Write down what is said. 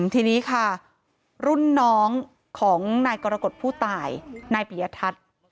ทีนี้ค่ะรุ่นน้องของนายกรกฎผู้ตายนายปิยทัศน์